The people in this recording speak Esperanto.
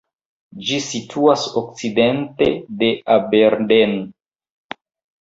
Ĝi situas okcidente de Aberdeen.